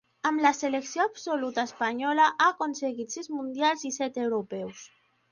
Amb la selecció absoluta espanyola, ha aconseguit sis mundials i set europeus.